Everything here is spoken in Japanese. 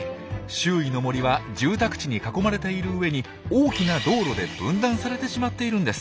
周囲の森は住宅地に囲まれているうえに大きな道路で分断されてしまっているんです。